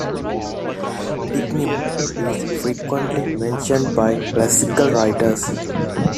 Ticinum is frequently mentioned by classical writers.